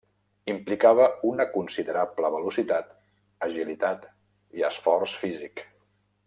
Implicava una considerable velocitat, agilitat i esforç físic.